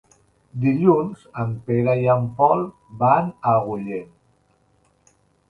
Dilluns en Pere i en Pol van a Agullent.